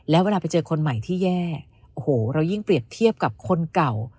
แล้วเวลาไปเจอคนใหม่ที่แย่โอ้โหเรายิ่งเปรียบเทียบกับคนเก่า